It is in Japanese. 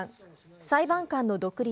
裁判官の独立